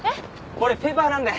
俺ペーパーなんで。